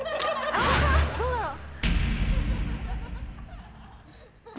どうだろう？